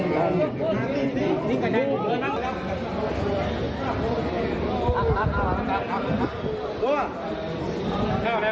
สิ่งมีรายการเลย